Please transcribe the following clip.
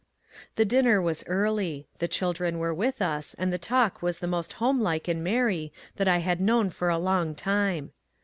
The dinner was early ; the children were with us, and the talk was the most homelike and merry that I had known for a long time.